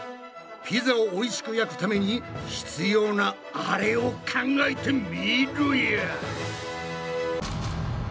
ピザをおいしく焼くために必要なアレを考えてみろや！